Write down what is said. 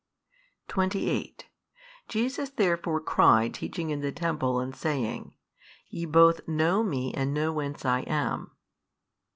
28 Jesus therefore cried teaching in the temple and saying, Ye both know Me and know whence I am.